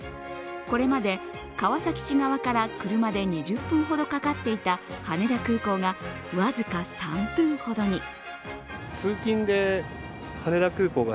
これまで川崎市側から車で２０分ほどかかっていた羽田空港が僅か３分ほどに。